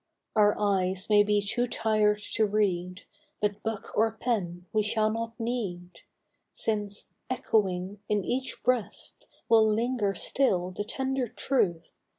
Our eyes may be too tired to read, But book or pen we shall not need, Since, echoing in each breast. Will linger still the tender truth.